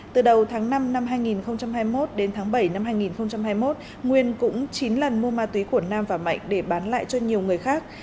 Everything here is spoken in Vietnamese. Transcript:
từ đầu tháng năm năm hai nghìn hai mươi một đến tháng bảy năm hai nghìn hai mươi một nguyên cũng chín lần mua ma túy của nam và mạnh để bán lại cho nhiều người khác